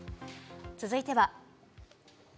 続いては。